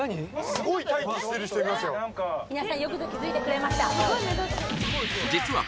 すごい皆さんよくぞ気付いてくれました